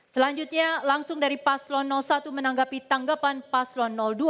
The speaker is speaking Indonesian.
selanjutnya langsung dari paslon satu menanggapi tanggapan paslon dua